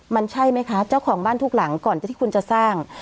มันใช่ไหมคะเจ้าของบ้านทุกหลังก่อนที่คุณจะสร้าง